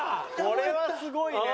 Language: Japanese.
これはすごいね！